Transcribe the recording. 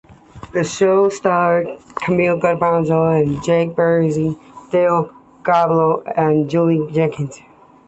The show starred Carmine Giovinazzo, Jake Busey, Dale Godboldo, and Jolie Jenkins.